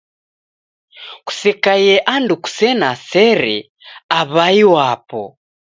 Kusekaie andu kusena sere aw'ai wapo